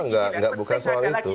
enggak bukan soal itu